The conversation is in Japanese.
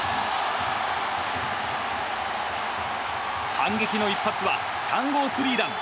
反撃の一発は３号スリーラン。